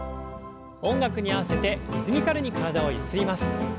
音楽に合わせてリズミカルに体をゆすります。